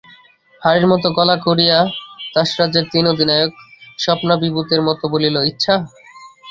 হাঁড়ির মতো গলা করিয়া তাসরাজ্যের তিন অধিনায়ক স্বপ্নাভিভূতের মতো বলিল, ইচ্ছা?